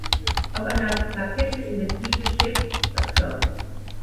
Auf einer Plakette in der Kirche steht: “Dr.